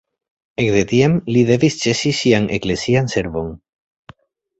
Ekde tiam li devis ĉesi sian eklezian servon.